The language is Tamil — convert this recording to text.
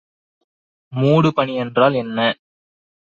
மூடுபனி என்றால் என்ன?